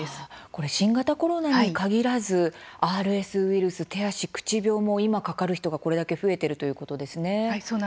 これ、新型コロナに限らずＲＳウイルス、手足口病も今かかる人が、これだけ増えているということですね。